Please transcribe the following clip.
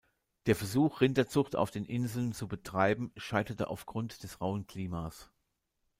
Der Versuch, Rinderzucht auf den Inseln zu betreiben, scheiterte aufgrund des rauen Klimas.